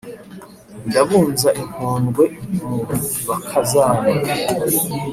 ndabunza inkondwe mu bakazana